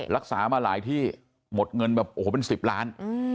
รักษามาหลายที่หมดเงินแบบ๑๐ล้าน